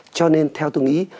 cho nên theo tôi nghĩ